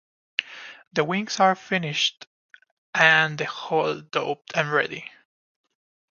The wings are finished, and the whole doped and ready.